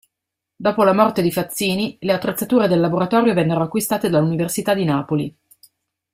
Dopo la morte di Fazzini, le attrezzature del laboratorio vennero acquistate dall'Università di Napoli.